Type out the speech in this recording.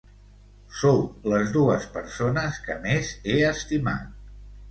Sou les dues persones que més he estimat.